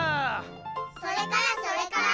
それからそれから？